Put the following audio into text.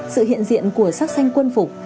sự hiện diện của sắc xanh quân phục